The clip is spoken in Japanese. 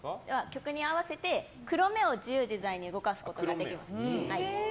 曲に合わせて黒目を自由自在に動かすことができます。